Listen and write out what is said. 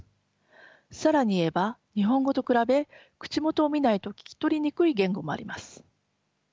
更に言えば日本語と比べ口元を見ないと聞き取りにくい言語もあります。